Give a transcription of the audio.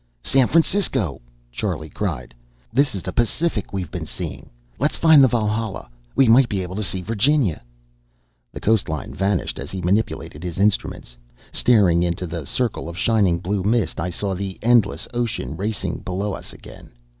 "San Francisco!" Charlie cried. "This is the Pacific we've been seeing. Let's find the Valhalla. We might be able to see Virginia!" The coast line vanished as he manipulated his instruments. Staring into the circle of shining blue mist, I saw the endless ocean racing below us again.